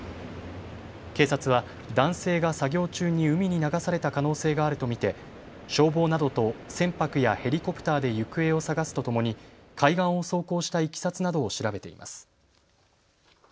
警察は男性が作業中に海に流された可能性があると見て消防などと船舶やヘリコプターで行方を捜すとともに海岸を走行したいきさつなどを調べています。